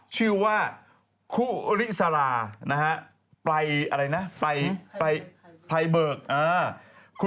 ชื่อว่าครู่ริสาราไพเบิก